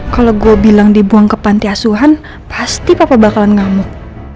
kalau gue bilang dibuang ke panti asuhan pasti papa bakalan ngamuk